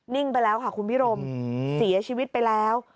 ไปแล้วค่ะคุณพิรมเสียชีวิตไปแล้ว